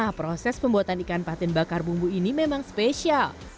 nah proses pembuatan ikan patin bakar bumbu ini memang spesial